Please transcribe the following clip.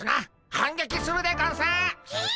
反撃するでゴンスっ！